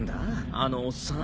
あのおっさん。